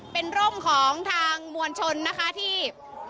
เป็นร่มของทางมวลชนนะคะที่